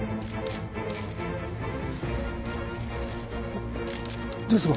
えっ？ですが。